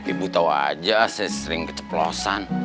ibu tahu aja saya sering keceplosan